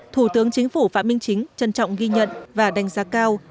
thủ tướng chính phủ phạm minh chính trân trọng ghi nhận và đánh giá cao